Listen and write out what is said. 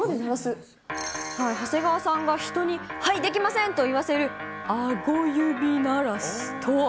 長谷川さんが人にはい、できませんと言わせるあご指鳴らしとは。